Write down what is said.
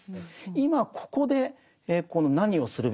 今ここで何をするべきなのか。